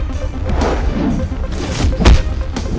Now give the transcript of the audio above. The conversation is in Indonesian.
kenapa untuk mereka semua tuh tuh